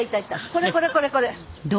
これこれこれこれ。